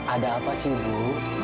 ada apa sih ibu